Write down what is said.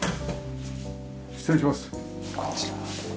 失礼します。